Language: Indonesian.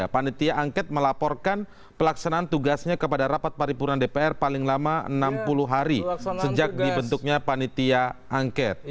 panitia angket melaporkan pelaksanaan tugasnya kepada rapat paripurna dpr paling lama enam puluh hari sejak dibentuknya panitia angket